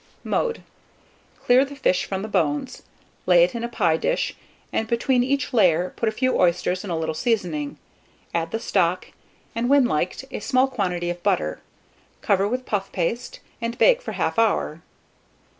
Mode. Clear the fish from the bones, lay it in a pie dish, and between each layer put a few oysters and a little seasoning; add the stock, and, when liked, a small quantity of butter; cover with puff paste, and bake for 1/2 hour.